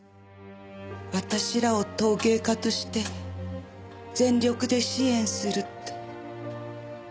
私らを陶芸家として全力で支援するって。